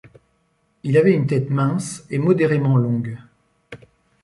Il avait une tête mince et modérément longue.